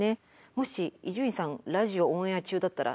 もし伊集院さんラジオオンエア中だったら。